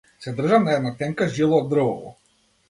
Се држам на една тенка жила од дрвово.